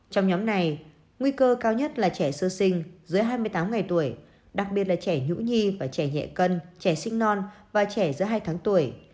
trong nhóm này nguy cơ cao nhất là trẻ sơ sinh dưới hai mươi tám ngày tuổi đặc biệt là trẻ nhũ nhi và trẻ nhẹ cân trẻ sinh non và trẻ giữa hai tháng tuổi